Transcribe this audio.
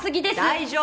大丈夫！